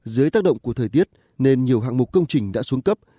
dưới tác động của thời tiết nên nhiều hạng mục công trình đã xuống cấp